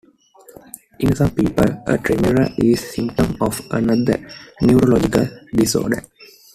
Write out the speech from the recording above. In some people, a tremor is a symptom of another neurological disorder.